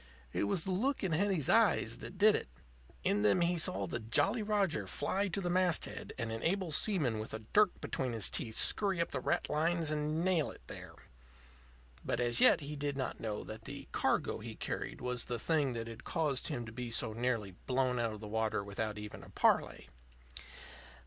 It was the look in Hetty's eyes that did it. In them he saw the Jolly Roger fly to the masthead and an able seaman with a dirk between his teeth scurry up the ratlines and nail it there. But as yet he did not know that the cargo he carried was the thing that had caused him to be so nearly blown out of the water without even a parley.